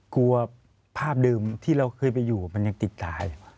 กลัวภาพเดิมที่เราเคยไปอยู่มันยังติดตาอยู่